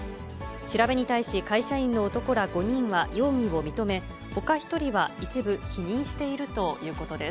調べに対し、会社員の男ら５人は容疑を認め、ほか１人は一部否認しているということです。